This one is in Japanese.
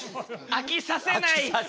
飽きさせない。